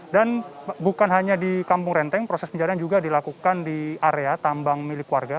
dan bukan hanya di kampung renteng proses pencarian juga dilakukan di area tambang milik warga